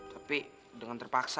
tapi dengan terpaksa